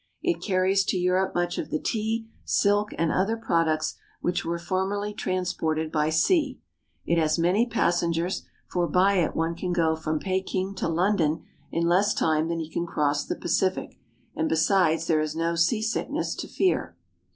It carries to Europe much of the tea, silk, and other products which were formerly transported by sea. It has many passengers ; for by it one can go from Peking to London in less time than he can cross the Pa cific and besides there is no seasickness to fear.